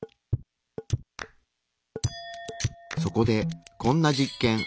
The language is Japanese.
そこでこんな実験。